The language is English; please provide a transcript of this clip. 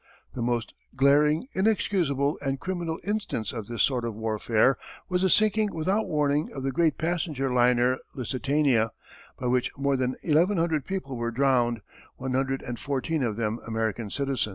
The most glaring, inexcusable, and criminal instance of this sort of warfare was the sinking without warning of the great passenger liner, Lusitania, by which more than eleven hundred people were drowned, one hundred and fourteen of them American citizens.